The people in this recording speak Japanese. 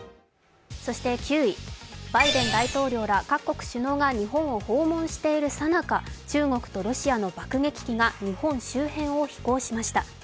９位バイデン大統領ら各国首脳が日本を訪問しているさなか、中国とロシアの爆撃機が日本周辺を飛行しました。